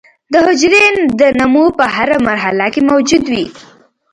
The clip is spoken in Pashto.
د حجرې د نمو په هره مرحله کې موجود وي.